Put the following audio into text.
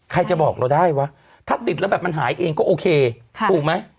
ใครจะบอกเราได้วะถ้าติดแล้วแบบมันหายเองก็โอเคถูกไหม